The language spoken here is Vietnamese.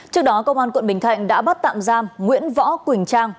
trước đó công an quận bình thạnh đã bắt tạm giam nguyễn võ quỳnh trang